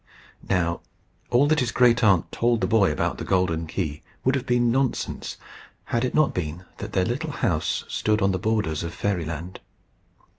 Now, all that his great aunt told the boy about the golden key would have been nonsense, had it not been that their little house stood on the borders of Fairyland.